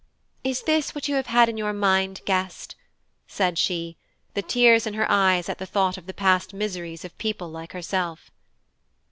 "Is this what you have had in your mind, guest?" said she, the tears in her eyes at thought of the past miseries of people like herself.